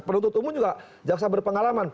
penuntut umum juga jaksa berpengalaman